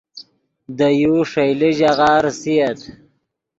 دے یو ݰئیلے ژاغہ ریسییت